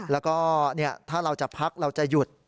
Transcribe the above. แล้วก็ถ้าเราจะพักเราจะหยุด